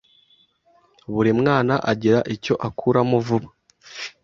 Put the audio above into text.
Buri mwana agira icyo akuramo vuba,